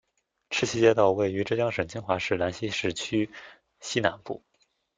赤溪街道位于浙江省金华市兰溪市区西南部。